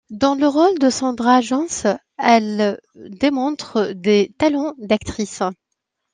Dans le rôle de Sandra Johnson, elle démontre des talents d'actrice.